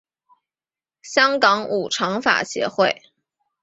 香港五常法协会